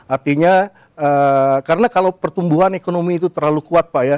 artinya karena kalau pertumbuhan ekonomi itu terlalu kuat pak ya